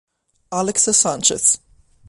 Alex Sánchez